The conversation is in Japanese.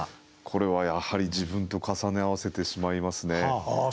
これはやはり自分と重ね合わせてしまいますね。